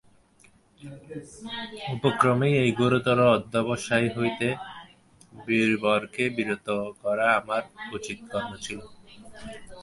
উপক্রমেই এই ঘোরতর অধ্যবসায় হইতে বীরবরকে বিরত করা আমার উচিত কর্ম ছিল।